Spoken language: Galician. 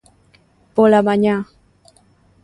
Pola mañá.